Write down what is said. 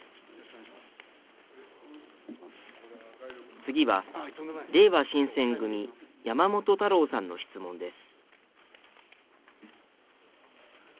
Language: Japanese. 次は、れいわ新選組、山本太郎さんの質問です。